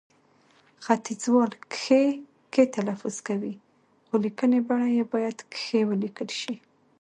ختیځوال کښې، کې تلفظ کوي، خو لیکنې بڼه يې باید کښې ولیکل شي